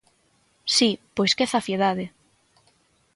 Si, pois ¡que zafiedade!